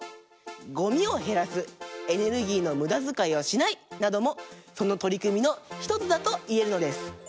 「ごみをへらす」「エネルギーのむだづかいはしない」などもそのとりくみの１つだといえるのです。